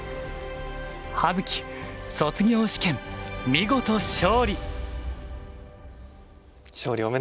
葉月卒業試験見事勝利！